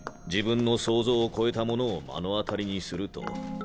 自分の想像を超えたものを目の当たりにすると。